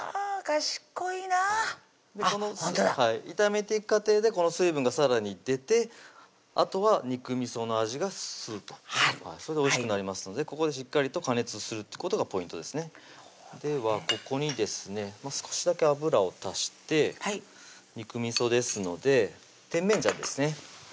賢いなこの炒めていく過程でこの水分がさらに出てあとは肉味の味がするとそれでおいしくなりますのでここでしっかりと加熱するってことがポイントですねではここにですね少しだけ油を足して肉味ですので甜麺醤ですね